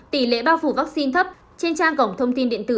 tỷ lệ bao phủ vaccine thấp trên trang cổng thông tin điện tử